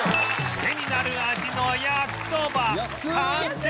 クセになる味の焼きそば完成！